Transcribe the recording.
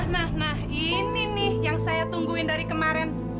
nah ini nih yang saya tungguin dari kemarin